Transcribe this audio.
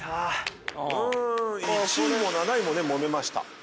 うーん１位も７位もねもめました。